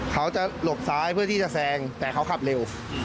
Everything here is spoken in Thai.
เขาจะหลบซ้ายเพื่อที่จะแซงแต่เขาขับเร็ว